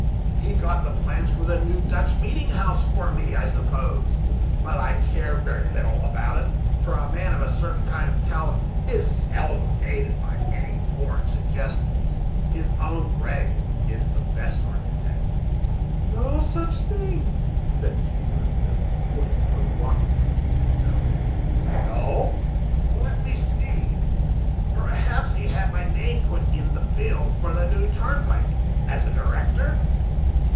he got the plans of the new Dutch meeting house for me, I suppose; but I care very little about it, for a man of a certain kind of talent is seldom aided by any foreign suggestions; his own brain is the best architect." "No such thing," said Elizabeth, looking provokingly knowing. "No! let me see perhaps he had my name put in the bill for the new turnpike, as a director."